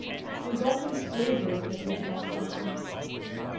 It was only slavery that he had not foreseen.